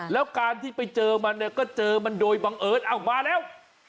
แล้วการที่ไปเจอมันเนี่ยก็เจอมันโดยบังเอิญเอามาแล้ว